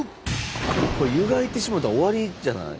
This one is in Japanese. これ湯がいてしもうたら終わりじゃない？